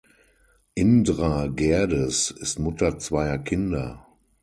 Indra Gerdes ist Mutter zweier Kinder.